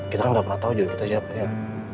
kita kan gak pernah tahu jodoh kita siapa ya